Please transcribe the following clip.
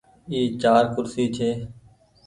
اي چآر ڪُرسي ڇي۔